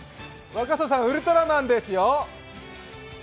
若狭さん、ウルトラマンですよ。